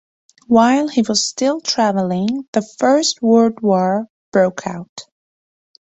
While he was still travelling, the First World War broke out.